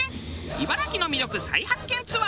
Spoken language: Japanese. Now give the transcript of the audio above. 茨城の魅力再発見ツアー。